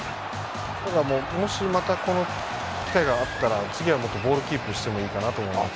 もし、またこの機会があったら次はボールキープしてもいいかなと思います。